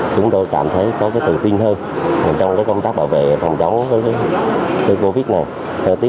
chúng tôi cảm thấy có cái tự tin hơn trong cái công tác bảo vệ phòng chống covid này